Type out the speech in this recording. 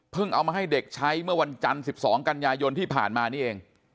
เอามาให้เด็กใช้เมื่อวันจันทร์๑๒กันยายนที่ผ่านมานี่เอง